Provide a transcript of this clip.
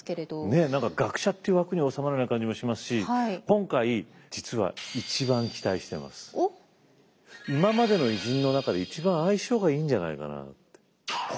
ねっ何か学者っていう枠に収まらない感じもしますし今回実は今までの偉人の中で一番相性がいいんじゃないかな。